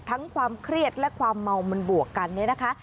ความเครียดและความเมามันบวกกันเนี่ยนะคะ